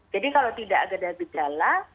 jadi kalau tidak ada gejala